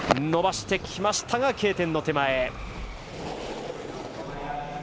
伸ばしてきましたがＫ点の手前。